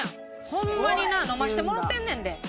ホンマにな飲ましてもろてんねんで。